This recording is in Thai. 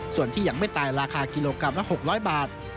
ส่วนที่ยังไม่ตายราคากิโลกรัมละ๖๐๐บาท